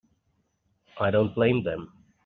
I don't blame them.